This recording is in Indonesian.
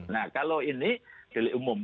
nah kalau ini delik umum